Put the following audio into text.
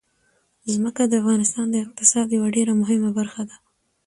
ځمکه د افغانستان د اقتصاد یوه ډېره مهمه برخه ده.